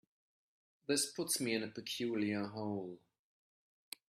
This puts me in a peculiar hole.